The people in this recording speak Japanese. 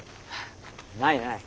ないない。